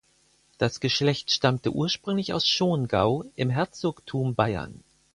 Das Geschlecht stammte ursprünglich aus Schongau im Herzogtum Bayern.